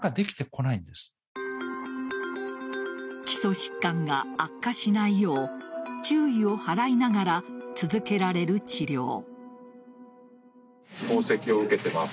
基礎疾患が悪化しないよう注意を払いながら続けられる治療。